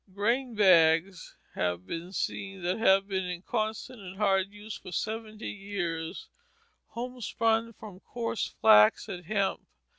Grain bags have been seen that have been in constant and hard use for seventy years, homespun from coarse flax and hemp.